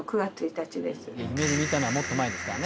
夢で見たのはもっと前ですからね。